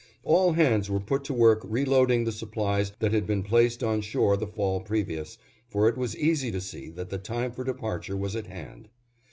All hands were put to work reloading the supplies that had been placed on shore the fall previous, for it was easy to see that the time for departure was at hand.